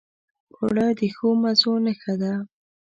اوړه د ښو مزو نښه ده